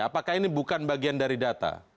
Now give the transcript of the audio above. apakah ini bukan bagian dari data